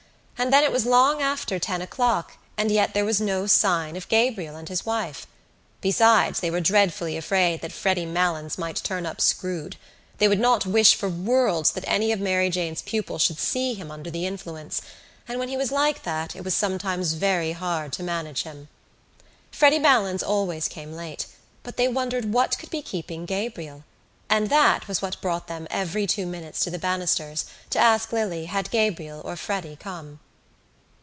And then it was long after ten o'clock and yet there was no sign of Gabriel and his wife. Besides they were dreadfully afraid that Freddy Malins might turn up screwed. They would not wish for worlds that any of Mary Jane's pupils should see him under the influence; and when he was like that it was sometimes very hard to manage him. Freddy Malins always came late but they wondered what could be keeping Gabriel: and that was what brought them every two minutes to the banisters to ask Lily had Gabriel or Freddy come.